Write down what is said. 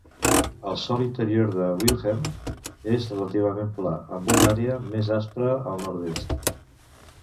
El sòl interior de Wilhelm és relativament pla, amb una àrea més aspra al nord-est.